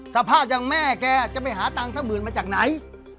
สภาพอย่างแม่แกจะไปหาตังค์สักหมื่นมาจากไหน